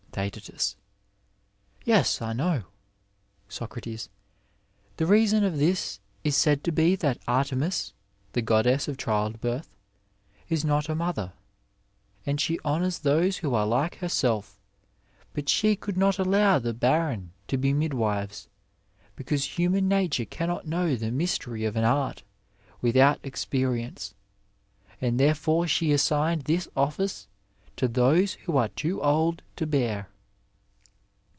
TKeoBt. Yes, I know. Soc, The reason of this is said to be that Artemis— the goddess of childbirth — is not a mother, and she honours those who are like herself ; but she could not allow the barren to be midwives, because human nature cannot know the mystery of an art without ex perience ; and therefore she aaaigned this office to those who are too old to bear.